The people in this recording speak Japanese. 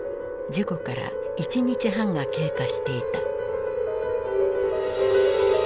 事故から１日半が経過していた。